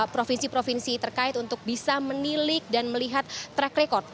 provinsi provinsi terkait untuk bisa menilik dan melihat track record